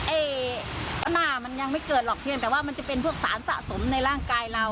ไอ้หน้ามันยังไม่เกิดหรอกเพียงแต่ว่ามันจะเป็นพวกสารสะสมในร่างกายเรา